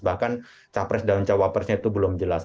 bahkan capres dan cawapresnya itu belum jelas